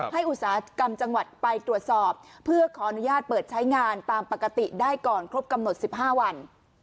อุตสาหกรรมจังหวัดไปตรวจสอบเพื่อขออนุญาตเปิดใช้งานตามปกติได้ก่อนครบกำหนด๑๕วัน